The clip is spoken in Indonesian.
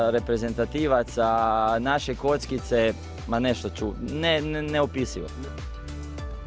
reprezentatif kita kocok kita tidak bisa dikisahkan